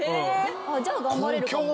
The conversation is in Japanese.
じゃあ頑張れるかも。